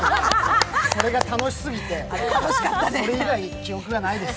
それが楽しすぎて、それ以外記憶がないです。